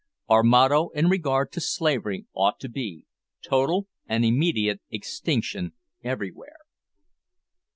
Our motto in regard to slavery ought to be Total and immediate extinction everywhere.